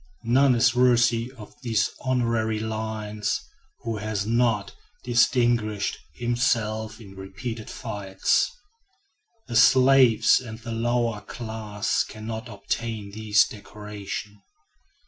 None is worthy of these honorary lines, who has not distinguished himself in repeated fights. The slaves and the lower class can not obtain this decoration.